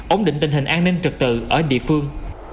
ổng định tình hình an ninh trật tự ở địa phương